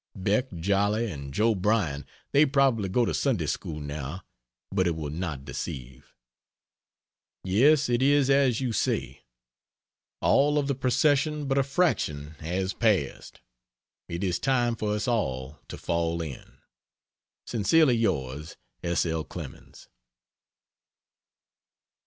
Beck Jolly and Joe Bryan they probably go to Sunday school now but it will not deceive. Yes, it is as you say. All of the procession but a fraction has passed. It is time for us all to fall in. Sincerely yours, S. L. CLEMENS.